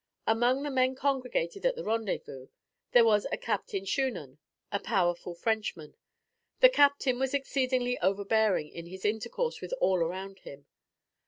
Among the men congregated at the rendezvous, there was a Captain Shunan, a powerful Frenchman. The Captain was exceedingly overbearing in his intercourse with all around him.